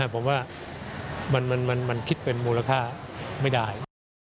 ผมว่ามันคิดเป็นมูลค่าไม่ได้